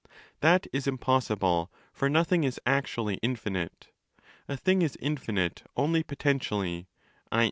That is impossible, for nothing is actually infinite. A thing is infinite only potentially, i.